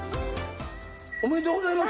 おめでとうございます。